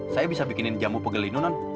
saya bisa bikinin jamu pegel ini non